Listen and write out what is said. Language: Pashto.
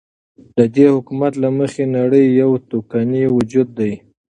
ددي حكومت له مخې نړۍ يو تكويني وجود دى ،